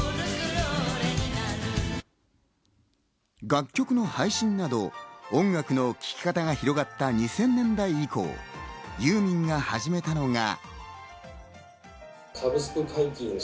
楽曲の配信など、音楽の聴き方が広がった２０００年代以降、ユーミンが始めたのが。